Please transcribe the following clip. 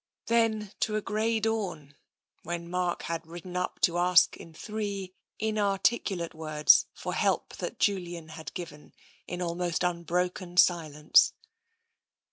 Then to a grey dawn, when Mark had ridden up to ask in three inarticulate words for help that Julian had given in almost unbroken silence.